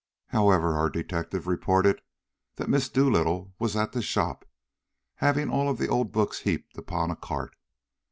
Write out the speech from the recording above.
"However, our detective reported that Miss Dolittle was at the shop, having all of the old books heaped upon a cart.